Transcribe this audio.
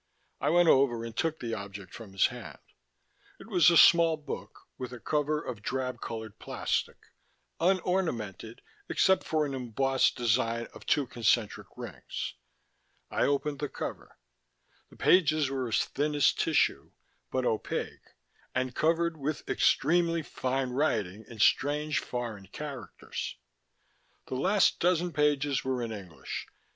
I went over and took the object from his hand. It was a small book, with a cover of drab colored plastic, unornamented except for an embossed design of two concentric rings. I opened the cover. The pages were as thin as tissue, but opaque, and covered with extremely fine writing in strange foreign characters. The last dozen pages were in English.